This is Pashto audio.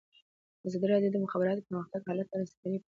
ازادي راډیو د د مخابراتو پرمختګ حالت ته رسېدلي پام کړی.